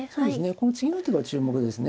この次の手が注目ですね。